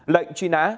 lệnh truy nã